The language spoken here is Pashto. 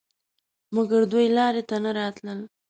مګر دوی لارې ته نه راتلل.